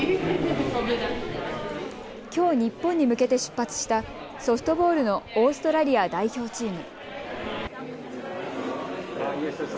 きょう日本に向けて出発したソフトボールのオーストラリア代表チーム。